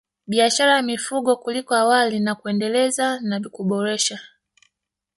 Biashara ya mifugo kuliko awali na kuendeleza na kuboresha